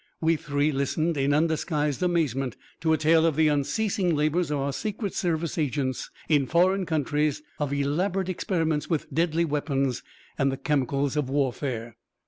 We three listened in undisguised amazement to a tale of the unceasing labors of our Secret Service agents in foreign countries, of elaborate experiments with deadly weapons and the chemicals of warfare.